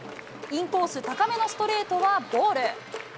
インコース高めのストレートはボール。